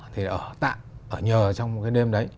thì ở tạm ở nhờ trong một cái đêm đấy